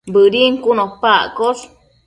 Bëdin cun opa accosh